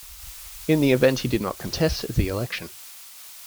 In the event he did not contest the election.